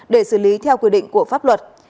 để xử lý theo quy định của pháp luật